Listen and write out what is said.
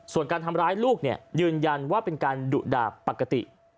ส่วนการทำร้ายลูกเนี่ยยืนยันว่าเป็นการดุดาบปกติ